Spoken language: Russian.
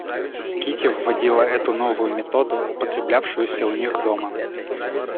Кити вводила эту новую методу, употреблявшуюся у них дома.